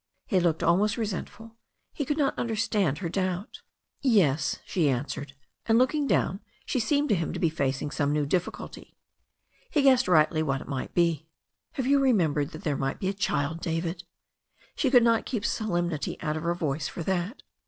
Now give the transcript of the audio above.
He looked almost resentful. He could not understand her doubt. "Yes," she answered, and looking down, she seemed to him to be facing some new difficulty. He guessed rightly what it might be. "Have you remembered that there may be a child, David ?" She could not keep solemnity out of her tone for that.